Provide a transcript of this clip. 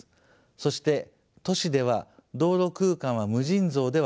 そして都市では道路空間は無尽蔵ではありません。